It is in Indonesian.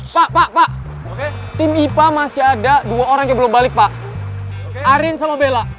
pak pak tim ipa masih ada dua orang yang belum balik pak arin sama bella